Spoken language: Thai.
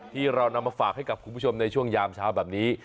ที่เรานำมาฝากให้กับคุณผู้ชมในช่วงยามเช้าแบบนี้